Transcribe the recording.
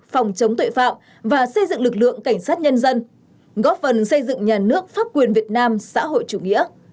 phòng chống tội phạm và xây dựng lực lượng cảnh sát nhân dân góp phần xây dựng nhà nước pháp quyền việt nam xã hội chủ nghĩa